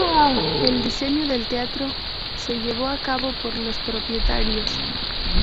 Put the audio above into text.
El diseño del teatro se llevó a cabo por los propietarios.